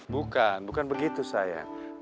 bukan bukan begitu sayang